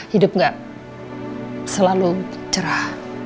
hidup gak selalu cerah